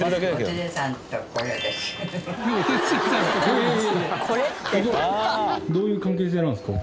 どういう関係性なんですか？